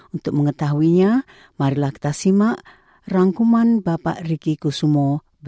untuk mengetahuinya mari kita simak rangkuman bapak ricky kusumo